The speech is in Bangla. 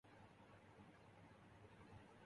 যেমনঃ- ওজোন ও অক্সিজেন।